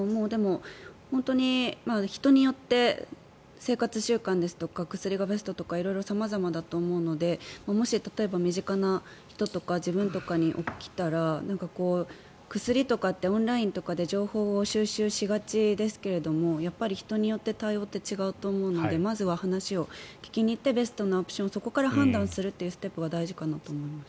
本当に人によって生活習慣ですとか薬がベストとか色々様々だと思うのでもし例えば身近な人とか自分とかに起きたら薬とかってオンラインとかで情報を収集しがちですがやっぱり人によって対応って違うと思うのでまずは話を聞きに行ってベストなオプションをそこから判断するというステップが大事かなと思います。